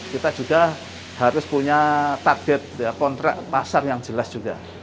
kita juga harus punya target kontrak pasar yang jelas juga